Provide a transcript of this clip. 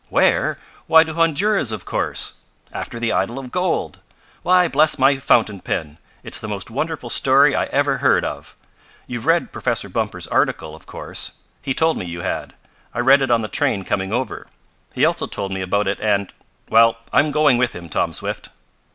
"Where? Why to Honduras, of course! After the idol of gold! Why, bless my fountain pen, it's the most wonderful story I ever heard of! You've read Professor Bumper's article, of course. He told me you had. I read it on the train coming over. He also told me about it, and Well, I'm going with him, Tom Swift.